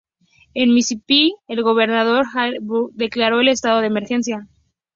En Mississippi, el gobernador Haley Barbour declaró el estado de emergencia.